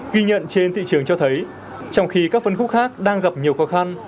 ghi nhận trên thị trường cho thấy trong khi các phân khúc khác đang gặp nhiều khó khăn